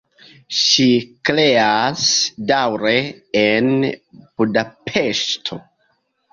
Ŝi kreas daŭre en Budapeŝto.